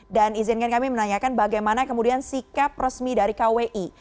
dan izinkan kami menanyakan bagaimana kemudian sikap resmi dari kwi